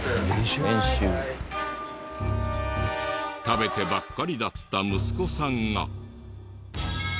食べてばっかりだった息子さんが。